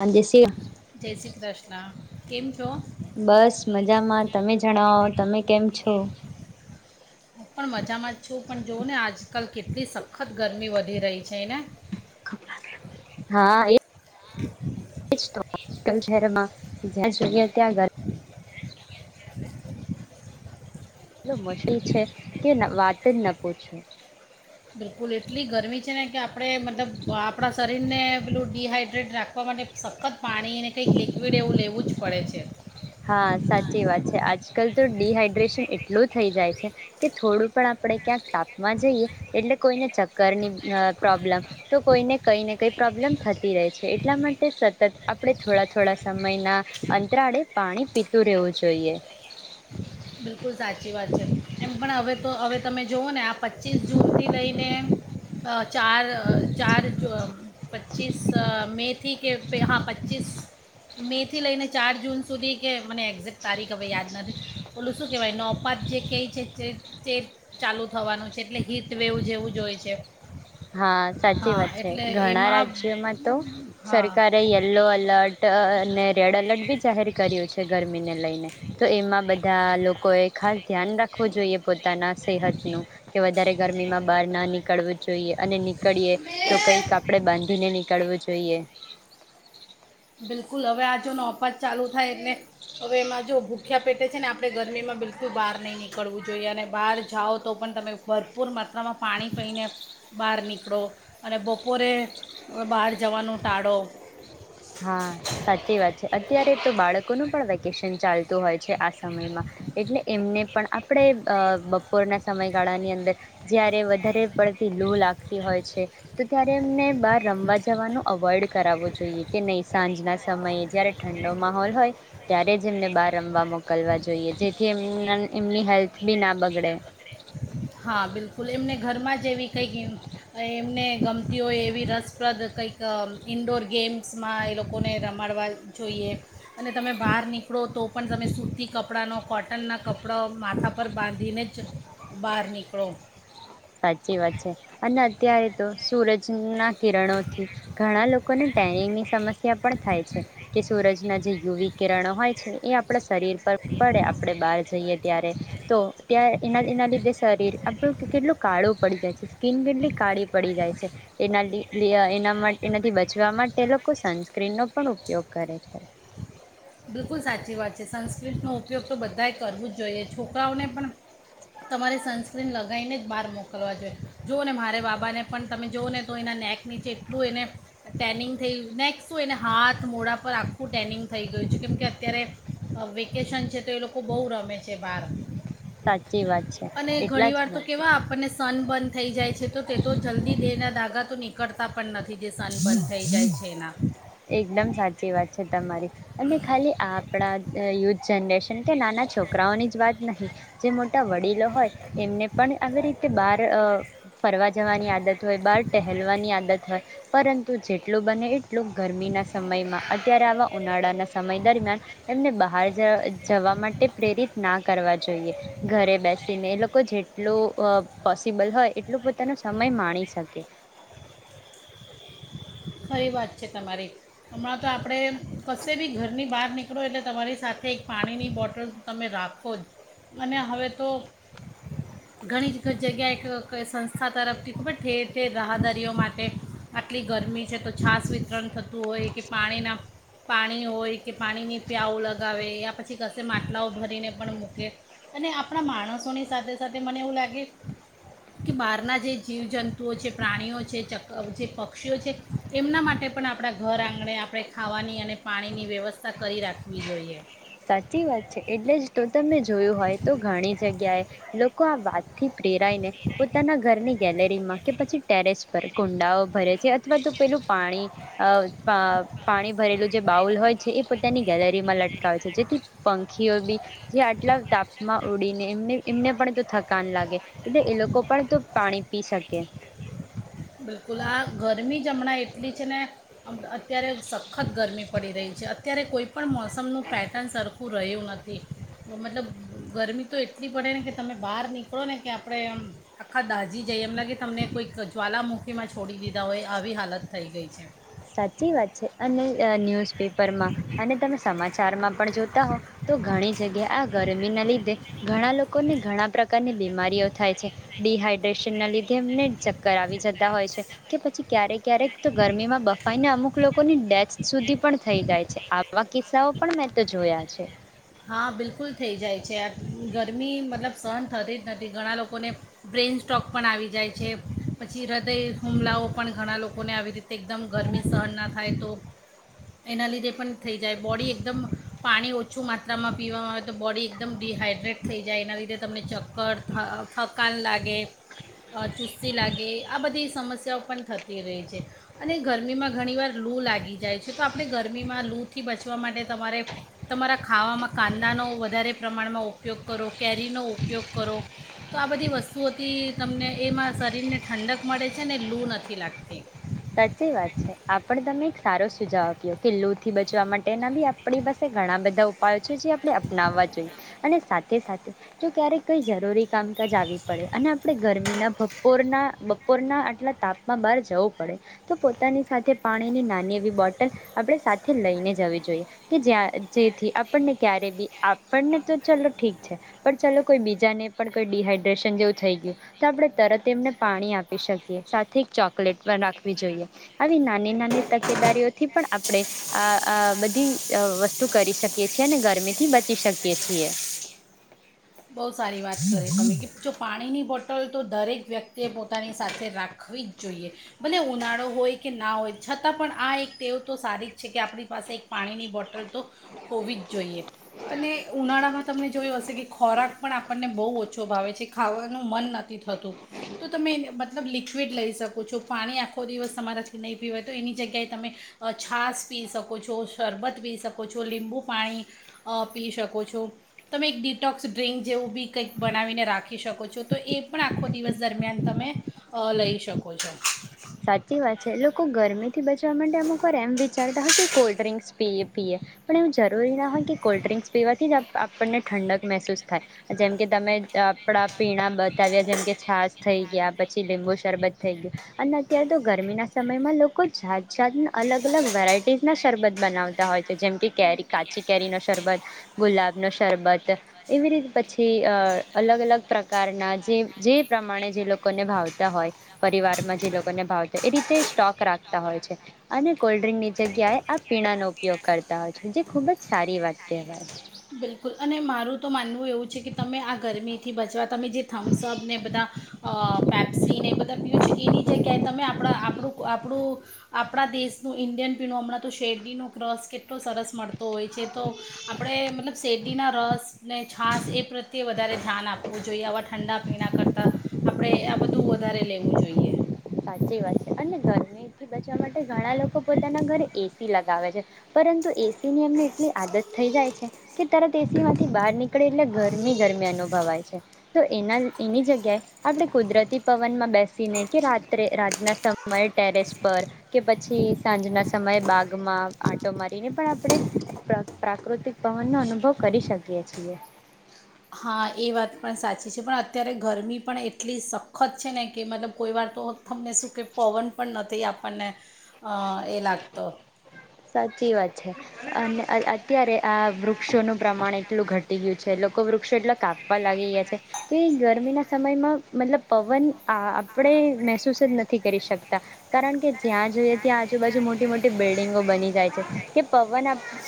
હાંજે સી જય શ્રી કૃષ્ણ કેમ છો? બસ મજામાં તમે જણાવો તમે કેમ છો? હુ પણ મજામાં જ છું. પણ જોઓ ને આજકાલ કેટલી સખત ગરમી વધી રહી છે ને [unintelligible] હા એ [inaudible] શહેરમાં જ્યા જોએ ત્યાં એટલે મુશ્કેલ છે તે વાત જ ન પૂછો. બિલકુલ એટલી ગરમી છે ને કે આપણે મતલબ આપણા શરીરને પેલું ડીહાઈડ્રેટ રાખવા માટે સખત પાણી અનેને કંઈક લિક્વિડ એવું લેવું જ પડે છે. તે આજ કલ તો ડીહાઈડ્રેશન એટલું થઈ જાય છે. કે થોડું પણ આપણે ક્યાંક તાપમાં જઈએ એટલે કોઈને ચક્કરની પ્રોબ્લેમ તો કોઈને કંઈ ને કંઈ પ્રોબ્લેમ થતી રહે છે. એટલા માટે સતત આપણે થોડા થોડા સમયના અંતરાળે પાણી પીતું રહેવું જોઈએ. બિલકુલ સાચી વાત છે એમ પણ હવે. તો હવે તમે જુઓ ને આપ પચીસ જૂનથી લઈને. [unintelligible] ચાર ચાર ચ પચ્ચીસ મે થી કે હા પચ્ચીસ મે થી લઈને ચાર જૂન સુધી કે મને એક્ઝેકટ તારીખ હવે યાદ નથી. ઓલું શું કહેવાય નવપાત જે કેઈ છે તે તે ચાલુ થવાનું છે એટલે હીટવેવ જેવું જ હોય છે. હા, સાચી હા વાત છે. એટલે ઘણા એમાં રાજ્યોમાં તો હા સરકારે યલો એલર્ટ અને રેડ એલર્ટ બી જાહેર કર્યું છે ગરમીને લઈને. તો એમાં બ બધા લોકોએ ખાસ ધ્યાન રાખવું જોઈએ પોતાના સેહતનું, કે વધારે ગરમીમાં બહાર ના નીકળવું જોઈએ અને નીકળીએ તો કંઈક આપણેે બાંધીને નીકળવું જોઈએ. ન ઓફર ચાલુ થાય એટલે હવે એમાં જો ભૂખ્યા પેટે છે ને આપણે ગરમીમાં બિલકુલ બહાર નહીં નીકળવું જોઈએ. અને બહાર જાઓ તો પણ તમે ભરપૂર મા ત્રામાં પાણી પીને બહાર નીકળો અને બપોરે બહાર જવાનું ટાળો. હા, સાચી વાત છે. અત્યારે તો બાળકોનું પણ વેકેશન ચાલતું હોય છે આ સમયમાં. એટલે એમને પણ આપણે અ બપોરના સમયગાળાની અંદર જ્યારે વધારે પડતી લૂ લાગતી હોય છ. તો ત્યારે એમને બહાર રમવા જવાનું અવોઇડ કરાવવો જોઈએ. કે નહી સાંજના સમયે જયારે ઠંડો માહોલ હોય ત્યારે જ એમને બહાર રમવા મોકલવા જોઈએ. જેથી એમના એમની હેલ્થ બી ના બગડે. હા બિલકુલ એમને ઘરમાં જેવી થઈ ગય, અ એમ એમને ગમતી હોય એવી રસપ્રદ કંઈક અ ઇન્ડોર ગેમ્સમાં એ લોકોને રમાડવા જોઈએ અને તમે બહાર નીકળો તો પણ તમે સૂતી કપડાંનો, કોટનના કપડાં માથા પર બાંધીને જ બહાર નીકળો. સાચી વાત છે અને અત્યારે તો સૂરજના કિરણોથી ઘણા લોકોને ટેની સમસ્યા પણ થાય છે કે સૂરજના જે યુવી કિરણો હોય છે એ આપડે શરીર પર પડે આપણે બહાર જઈએ ત્યારે. તો ત્યાં એના એના લીધે શરીર આપણું કે કેટલું કાળું પડી જાય છે, સ્કીન બિન બી કાળી પડી જાય છે. એના એના એનાથી બચવા માટે લોકો સનસ્ક્રીનનો પણ ઉપયોગ કરે છે. બિલકુલ સાચી વાત છે. સંસ નો ઉપયોગ તો બધા એ કરવું જ જોઈએ. છોકરાઓને પણ તમારે સનસ્ક્રીન લગાઈને જ બહાર મોકલવા જોઈએ. જુઓ ને મારે બાબાને પણ તમે જુઓ ને તો એના નેક નીચે એટલું એને ટેનિંગ થય નેક શું એને હાથ મોડા પર આખું ટેનિંગ થય કેમકે અત્યારે વેકેશન છે તો એ લોકો બવ રમે છે બાર. સાચી વાત છે અને એટલા ઘણી વાર જ તો માટે કેવા આપણને સન બન થઈ જાય છે, તો તે તો જલ્દી દેહના દાગા નીકળતા પણ ન થી જે સનબન થઈ જાય છે એના. એકદમ સાચી વાત છે તમારી અને ખાલી આપણા [inaudible] જનરેશન તે નાના છોકરાઓની જ વાત નહીં, જે મોટા વડીલો હોય એમને પણ આવી રીતે બહાર અ ફરવા જવાની આદત હોય, બહાર ટહેલવાની આદત હોય. પરંતુ જેટલું બને એટલું ગરમીના સમયમાં અત્યારે આવા ઉનાળાના સમય દરમિયાન એમને બહાર જ જવા માટે પ્રેરિત ના કરવા જોઈએ. ઘરે બેસીને એ લોકો જેટલું પોસિબલ હોય એટલું પોતાનો સમય માણી શકે. ખરી વાત છે તમારી હમણાં તો આપણે કશે બી ઘરની બહાર નીકળો એટલે તમારી સાથે એક પાણીની બોટલ તમે રાખો જ અને હવે તો ઘણી ક જગ્યાએ ક ક સંસ્થા તરફથી ખૂબ જ ઠેર ઠેર રાહાદરીઓ માટે આટલી ગરમી છે તો છાસ વિતરણ થતું હોય કે પાણીના પાણી હોય કે પાણીની પ્યાઉ લગાવે યા પછી કશે માટલાઓ ભરીને પણ મૂકે અને આપણા માણસોની સાથે સાથે મને એવું લાગે કે બહારના જે જીવજંતુઓ છે પ્રાણીઓ છે ચક જે પક્ષીઓ છે એમના માટે પણ આપણા ઘર આંગણે આપણે ખાવાની અને પાણીની વ્યવસ્થા કરી રાખવી જોઈએ. સાચી વાત છે એટલે જ તો તમે જોયું હોય તો ઘણી જગ્યાએ લોકો આ વાતથી પ્રેરાઈને પોતાના ઘરની ગેલેરીમાં કે પછી ટેરેસ પર કુંડાઓ ભરે છે અથવા તો પેલું પાણી અ પ પાણી ભરેલું જે બાઉલ હોય છે એ પોતાની ગેલેરીમાં લટ જેથી પંખીઓ બી જે આટલા તાપમાં ઉડીને એ એમને પણ થકાન લાગે એટલે એ લોકો પણ તો પાણી પી શકે. બિલકુલ આ ગરમી જમણા એટલી છે ને અત્યારે સખત ગરમી પડી રહી છે અત્યારે કોઈ પણ મોસમનું પેટર્ન સરખું રહ્યું નથી મતલબ ગરમી તો એટલી પડે ને કે તમે બહાર નીકળો ને કે આપણે આખા દાઝી જઈએ એમ લાગે તમને કોઈક ત્વાલામુખીમાં છોડી દીધા હોય આવી હાલત થઈ ગઈ છે. સાચી વાત છે અને ન્યૂઝપેપરમાં અને તમે સમાચારમાં પણ જો તા હો તો ઘણી જગ્યાએ આ ગરમીના લીધે ઘણા લોકોને ઘણા પ્રકારની બીમારીઓ થાય છે ડિહાઈડ્રેશનના લીધે એમને ચક્કર આવી જતા હોય છે કે પછી ક્યારેક ક્યારેક તો ગરમીમાં બફ ને અમુક લોકો ની ડેથ સુધી પણ થઈ જાય છે આવા કિસ્સાઓ પણ મેં તો જોયા છે. હા બિલકુલ થઈ જાય છે આ ગરમી મતલબ સહન થતી જ નથી ઘણા લોકોને બ્રેઇન સ્ટ્રોક પણ આવી જાય છે પછી હૃદય હુમલાઓ પણ ઘણા લોકોને આવી રીતે એકદમ ગરમી સહન ન થાય તો એના લીધે પણ થઈ જાય બોડી એકદમ પાણી ઓછું મા [unintelligible] પીવામાં આવે તો બોડી એકદમ ડીહાઈડ્રેટ થઈ જાય એના લીધે તમને ચક્કર થ થકાન લાગે અ ચુસ્તી લાગે આ બધી સમસ્યાઓ પણ થતી રહેહી છે અને ગરમીમાં ઘણીવાર લૂ લાગી જાય છે તો આપણે ગરમીમાં લૂથી બચવા માટે તમારે તમારા ખાવામાં કાંદાનો વધારે પ્રમાણમાં ઉપયોગ કરો કેરીનો ઉપયોગ કરો તો આ બધી વસ્તુઓથી તમને એમાં શરીરને ઠંડક મળે છે ને લૂ નથી લાગતી. સાચી વાત છે આપડ તમે સારો સુજાવ આપ્યો કે લૂ થી બચવા માટેના બી આપણી પાસે ઘણા બધા ઉપાયો છે જે આપણે અપનાવવા જોઈએ અને સાથે સાથે જો ક્યારેક કંઈ જરૂરી કામકાજ આવી પડે અને આપણે ગરમીના બપોરના બપોરના આટલા તાપમાં બહાર જવું પડે તો પોતાની સાથે પાણીની નાની એવી બોટલ આપણે સાથે લઈને જવી જોઈએ કે જ જેથી આપણને ક્યારે બી આપણને તો ચલો ઠીક છે પણ ચાલો કોઈ બીજાને પણ કઈ ડિહાઈડ્રેશન જેવું થઈ ગયું તો આપણે તરત એમને પાણી આપી શકીએ સાથે એક ચોકલેટ [unintelligible] રાખવી જોઈએ આવી નાની નાની તકેદારીઓથી પણ આપણે આ આ બધી વસ્તુ કરી શકીએ છીએ અને ગરમી થી બચી શકીએ છીએ. બો સારી વાત કરિ તમે જો પાણીની બોટલ તો દરેક વ્યક્તિએ પોતાની સાથે રાખવી જ જોઈએ ભલે ઉનાળો હોય કે ના હોય છતાં પણ આ એક તેવ તો સારી જ છે કે આપણી પાસે એક પાણીની બોટલ તો હોવી જ જોઈએ અને ઉનાળામાં તમને જોયું હશે કે ખોરાક પણ આપણને બહુ ઓછો ભાવે છે ખાવાનું મન નથી થતું. તો તમે મતલબ લિક્વિડ લઈ શકો છો પાણી આખો દિવસ તમારાથી નહીં પીવાય તો એની જગ્યાએ તમે છાસ પી શકો છો, શરબત પી શકો છો, લીંબુ પાણી પી શકો છો તમે એક ટોક્સ ડ્ર્રીંક જેવું બી કંઈક બનાવીને રાખી શકો છો તો એ પણ આખો દિવસ દરમિયાન તમે અ લઈ શકો છો. સાચી વાત છે લોકો ગરમી થી બચ [unintelligible] અમુક વાર એમ વિચારતા હોય કે કોલ્ડ ડ્રિક્સ પ પીએ પણ એવું જરૂરી ના હોય કે કોલ્ડ ડ્રિંક્સ પીવાથી જ આપણને ઠંડક મહેસૂસ થાય જેમકે તમે આપણા પીણા બતાવ્યા જેમકે છાસ થઈ ગયા પછી લીંબુ શરબત થઈ ગયું. અને અત્યારે તો ગરમીના સમયમાં લોકો જાત જાત અલગ અલગ વેરાયટીઝના શરબત બનાવતા હોય તો જેમ કે કેરી કાચી કેરીનો શરબત, ગુલાબનો શરબત એવી રીતે પછી અ અલગ અલગ પ્રકારના જે જે પ્રમાણે જે લોકોને ભાવતા હોય પરિવાર એમા જે લોકો ને ભાવે તે એ રીતે સ્ટોક રાખતા હોય છે અને કોલ્ડ્રિંકની જગ્યાએ આ પીણાનો ઉપયોગ કરતા હોય છે જે ખુબ જ સારી વાત કહેવાય. બિલકુલ અને મારું તો માનવું એવું છે કે તમે આ ગરમીથી બચવા તમે જે થમ્સઅપ ને એ બધા અ પેપ્સીને એ બધા પીઓ છે એની જગ્યાએ તમે આપણા આપણું આપણું આપણા દેશનું ઇન્ડિયન પીણું હમણાં તો શેરડીનો ક્રશ કેટલો સરસ મળતો હોય છે તો આપણે મતલબ શેરડીના રસ ને છાસ એ પ્રત્યે વધારે ધ્યાન આપવું જોઈએ આવા ઠંડા પીણા કરતાં આપણે આ બધું વધારે લેવું જોઈએ. સાચી વાત છે, અને ગરમીથી બચવા માટે ઘણા લોકો પોતાના ઘરે એસી લગાવે છે, પરંતુ એસીની એમને એટલી આદત થઈ જાય છે, કે તરત એસીમાંથી બહાર નીકળે એટલે ગરમી ગરમી અનુભવાય છે, તો એના એની જગ્યાએ આપણે કુદરતી પવનમાં બેસીને કે રાત [unintelligible] રાતના સમયે ટેરેસ પર કે પછી સાંજના સમયે બાગમાં આંટો મારીને પણ આપણે પ્રાકૃતિક પવનનો અનુભવ કરી શકીએ છીએ. હા એ વાત પણ સાચી છે, પણ અત્યારે ગરમી પણ એટલી સખત છે, ને કે મતલબ કોઈ વાર તો તમને શું કે પવન પણ નથી આપણને એ લાગતો. સાચી વાત છે, અને અત્યારે આ વૃ વૃક્ષોનું પ્રમાણ એટલું ઘટ ઘટી ગયું છે, લોકો વૃક્ષો એટલા કાપવા લાગી ગયા છે, કે ગરમીના સમયમાં મતલબ પવન આપડે મહેસૂસ જ નથી કરી શકતા કારણ કે જ્યાં જોઈએ ત્યાં આજુબાજુ મોટી મોટી બિલ્ડિંગો બની જાય છે, તે પવન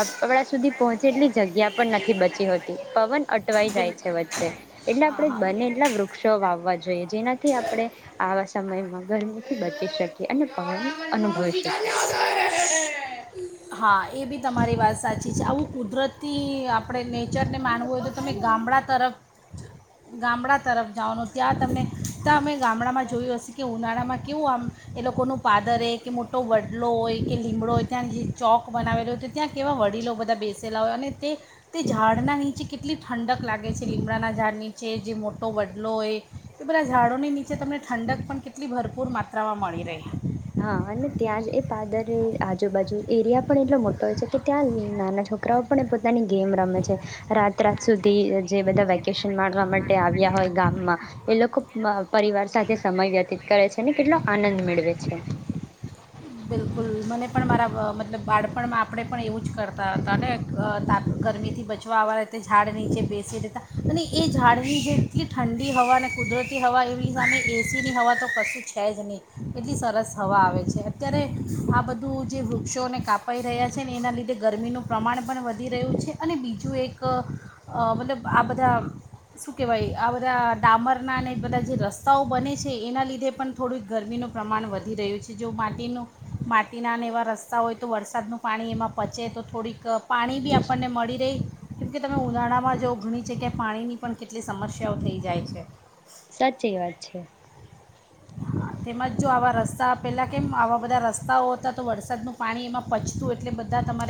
આપણા સુધી પહોંચે એટલી જગ્યા પણ નથી બચી હોતી પવન અટવાઈ બિલ જાય છે, વચ્ચે એટલે હા આપણે હા બને એટલા વૃક્ષો વાવવા જોઈએ જેનાથી આપણે આવા સમયમાં ગરમીથી બચી શકીએ અને પવન [inaudible] અનુભવી શકીએ હા એ બી તમારી વાત સાચી છે, આવું કુદરતી આપણે નેચરને માનવું હોય, તો તમે ગામડા તરફ ગામડા તરફ જવાનું ત્યાં તમને તા અમે ગામડામાં જોયું હશે કે ઉનાળામાં કેવું આમ એ લોકોનું પાદરે એક કે મોટો વડલો હોય કે લીમડો હોય ત્યાં જે ચોક બનાવેલો હોય તો ત્યાં કેવા વડીલો બધા બેસેલા હોય અને તે તે ઝાડના નીચે કેટલી ઠંડક લાગે છે લીમડાના ઝાડ નીચે જે મોટો વડલો હોય એ બધા ઝાડોની નીચે નીચે તમને ઠંડક પણ કેટલી ભર ભરપૂર માત્રા માં મળી રહે. હા અને ત્યાં જ એ પાદરે આજુબાજુ એરિયા પણ એટલો મોટો હોય છે, કે ત્યાં નાના છોકરાઓ પણ એ પોતાની ગેમ રમે છે, રાત રાત સુધી જે બધા વેકેશન માણવા માટે આવ્યા હોય ગામમાં એ લોકો પરિવાર સાથે સમય વ્યતીત કરે છે, અને કેટલો આનંદ મેળવે છે. [unintelligible] બિલકુલ મને પણ મારા મતલબ બાળપણમાં આપણે પણ એવું જ કરતા હતા, ને આ તાપ ગરમીથી બચવા આવવાતે ઝાડ નીચે બેસી રહેેતા અને એ ઝાડની જે એટલી ઠંડી હવા અને કુદરતી હવા એની સામે એસીની હવા તો કશું છે જ નહીં એટલી સરસ હવા આવે છે. અત્યારે આ બધું જે વૃક્ષોને કાપાઈ રહ્યા છે, ને એના લીધે ગરમીનું પ્રમાણ પણ વધી રહ્યું છે, અને બીજું એક મતલબ આ બધા શું કહેવાય આ બધા ડામરના અને બધા જે રસ્તાઓ બને છે, એના લીધે પણ થોડુંક ગરમીનું પ્રમાણ વધી રહ્યું છે, જો મા માટીનું માટીનાને એવા રસ્તા હોય તો વરસાદનું પાણી એમાં પચે તો થોડીક પાણી બી આપણને મળી રહે કે તમે ઉનાળામાં જો ઘણી જગ્યાએ પાણીની પણ કેટલી સમસ્યાઓ થઈ જાય છે. સાચી વાત છે. તેમાં જો આવા રસ્તા પેલા કેમ આવા બધા રસ્તાઓ હતા તો વરસાદનું પાણી એમાં પચતું એટલે બધા તમારે